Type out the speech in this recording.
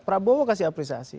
prabowo kasih apresiasi